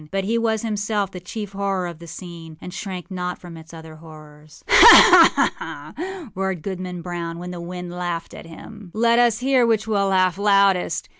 But he was himself the chief horror of the scene, and shrank not from its other horrors. âHa! ha! ha!â roared Goodman Brown when the wind laughed at him. âLet us hear which will laugh loudest.